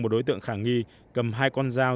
một đối tượng khả nghi cầm hai con dao